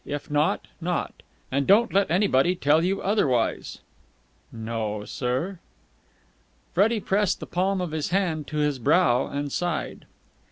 If not, not. And don't let anybody tell you otherwise." "No, sir." Freddie pressed the palm of his hand to his brow, and sighed.